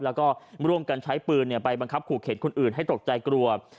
แล้วก็ร่วมกันใช้ปืนไปบังคับขู่เข็นคนอื่นให้ตกใจกลัว